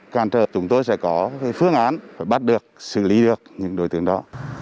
càn trở chúng tôi sẽ có phương án bắt được xử lý được những đối tượng đó